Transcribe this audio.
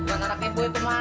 buat anak ibu itu mah